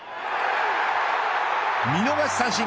見逃し三振。